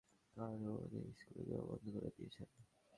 মেয়েটি জানাল, তার বাবা দারিদ্র্যের কারণে স্কুলে যাওয়া বন্ধ করে দিয়েছেন।